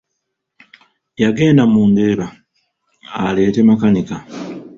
Yagenda mu Ndeeba aleete makanika.